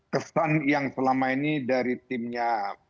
kesan yang selama ini dari timnya